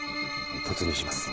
突入します。